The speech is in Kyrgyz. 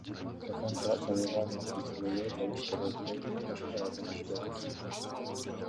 Телефон чалууга мүмкүнчүлүгү болуш керек, — дейт Багишбеков.